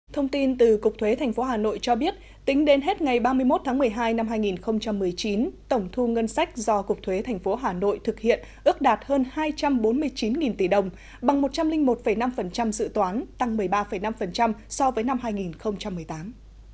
thông tin từ cục thuế tp hà nội cho biết tính đến hết ngày ba mươi một tháng một mươi hai năm hai nghìn một mươi chín tổng thu ngân sách do cục thuế thành phố hà nội thực hiện ước đạt hơn hai trăm bốn mươi chín tỷ đồng bằng một trăm linh một năm dự toán tăng một mươi ba năm so với năm hai nghìn một mươi tám